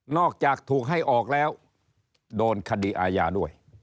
อกจากถูกให้ออกแล้วโดนคดีอาญาด้วย